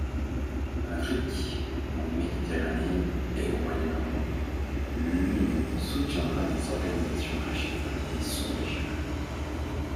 En Afrique, en Méditerranée, et au Moyen-Orient, l'Union soutiendra les organisations régionales et sous-régionales.